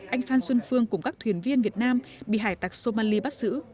anh phan xuân phương cùng các thuyền viên việt nam bị hải tạc somali bắt giữ